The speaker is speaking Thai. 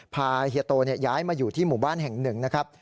เฮียโตย้ายมาอยู่ที่หมู่บ้านแห่งหนึ่งนะครับ